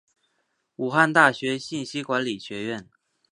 武汉大学信息管理学院